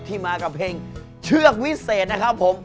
มากับเพลงเชือกวิเศษนะครับผม